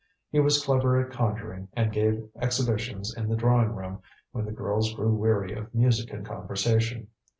He was clever at conjuring, and gave exhibitions in the drawing room when the girls grew weary of music and conversation.